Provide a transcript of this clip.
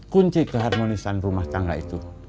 kunci keharmonisan rumah tangga itu